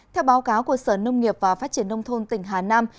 theo báo cáo của sở nông nghiệp và phát triển nông thôn tỉnh hà nam